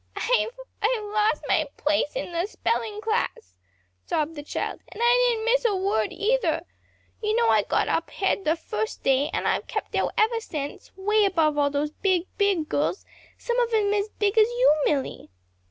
"I I've lost my place in the spelling class," sobbed the child, "and I didn't miss a word either. You know I got up head the first day, and I've kept there ever since 'way above all those big, big girls, some of 'em as big as you, Milly."